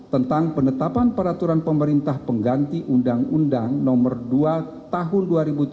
tentang penetapan peraturan pemerintah pengganti undang undang nomor dua tahun dua ribu tujuh belas